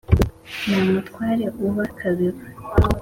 Nta Mutware uba Kabeba